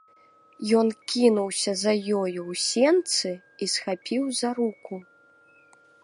Ён кінуўся за ёю ў сенцы і схапіў за руку.